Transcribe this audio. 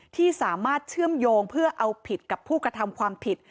ที่สามารถเชื่อมโยงเพื่อเอาผิดกับผู้กระทำความผิด